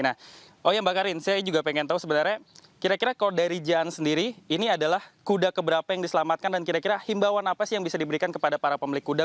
nah oh ya mbak karin saya juga pengen tahu sebenarnya kira kira kalau dari jan sendiri ini adalah kuda keberapa yang diselamatkan dan kira kira himbawan apa sih yang bisa diberikan kepada para pemilik kuda